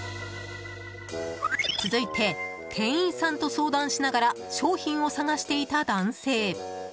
続いて、店員さんと相談しながら商品を探していた男性。